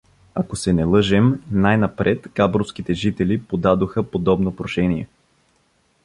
Ако се не лъжем, най-напред габровските жители подадоха подобно прошение.